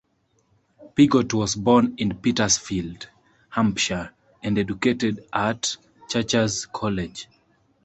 Piggott was born in Petersfield, Hampshire, and educated at Churcher's College.